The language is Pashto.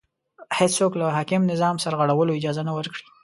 هېڅوک له حاکم نظام سرغړولو اجازه نه ورکړي